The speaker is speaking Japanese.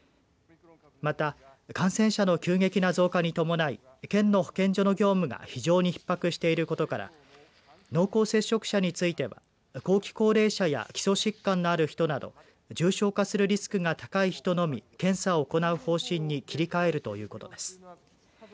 また感染者の急激な増加に伴い県の保健所の業務が非常にひっ迫していることから濃厚接触者については後期高齢者や基礎疾患のある人など重症化するリスクが高い人のみ検査を行う方針に切り替えるということです。